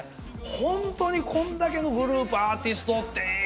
ホントにこんだけのグループアーティストおってええ